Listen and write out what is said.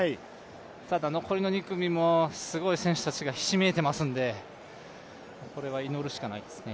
ただ、残りの２組もすごい選手たちがひしめいていますのでこれは祈るしかないですね。